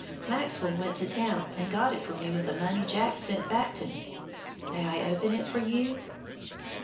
Maxwell went to the town and got it for me with the money Jack sent back to me. May I open it for you?"